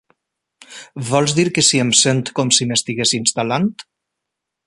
Vols dir que si em sento com si m'estigués instal·lant?